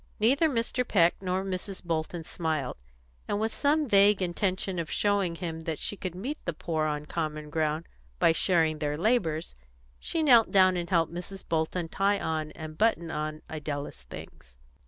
Neither Mr. Peck nor Mrs. Bolton smiled, and with some vague intention of showing him that she could meet the poor on common ground by sharing their labours, she knelt down and helped Mrs. Bolton tie on and button on Idella's things.